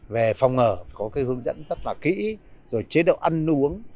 về phòng ngừa có cái hướng dẫn rất là kỹ rồi chế độ ăn uống